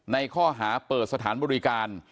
ในข้อหาเปิดสถานบริการ